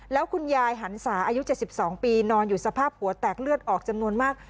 แล้วคุณยายหันศาอายุ๗๒ปีนอนอยู่สภาพหัวแตกเลือดออกจำนวนมาก